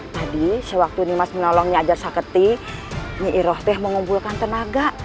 tadi sewaktu nyi mas menolong nyai ajat saketi nyiiroh teh mengumpulkan tenaga